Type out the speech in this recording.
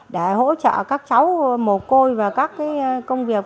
để hỗ trợ các cháu mồ côi và các công việc